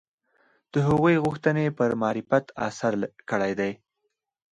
د هغوی غوښتنې پر معرفت اثر کړی دی